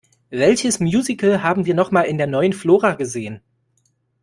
Welches Musical haben wir noch mal in der Neuen Flora gesehen?